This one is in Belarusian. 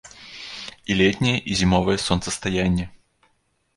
І летняе, і зімовае сонцастаянне.